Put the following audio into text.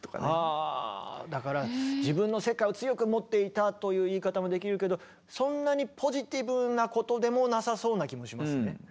ああだから自分の世界を強く持っていたという言い方もできるけどそんなにポジティブなことでもなさそうな気もしますね。